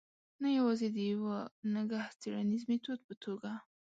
نه یوازې د یوه نګه څېړنیز میتود په توګه.